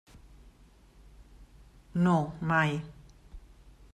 No, mai.